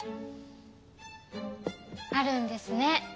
あるんですね